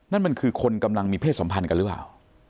นั่นมันคือคนกำลังมีเพศสัมพันธ์กันหรือเปล่า